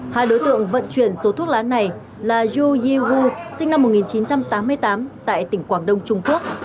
hai đối tượng vận chuyển số thuốc lá này là yu yi wu sinh năm một nghìn chín trăm tám mươi tám tại tỉnh quảng đông trung quốc